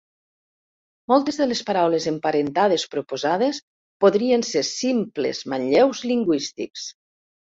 Moltes de les paraules emparentades proposades podrien ser simples manlleus lingüístics.